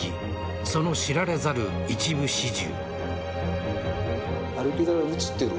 その知られざる一部始終。